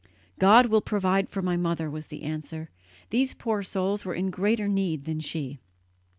"God will provide for my mother," was the answer; "these poor souls were in greater need than she."